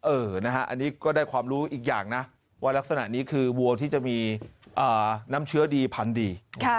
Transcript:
อันนี้ก็ได้ความรู้อีกอย่างนะว่ารักษณะนี้คือวัวที่จะมีน้ำเชื้อดีพันธุ์ดี